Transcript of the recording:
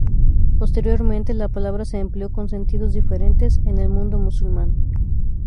Posteriormente la palabra se empleó con sentidos diferentes en el mundo musulmán.